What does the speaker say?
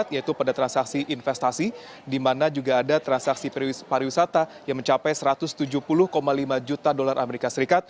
yaitu pada transaksi investasi di mana juga ada transaksi pariwisata yang mencapai satu ratus tujuh puluh lima juta dolar as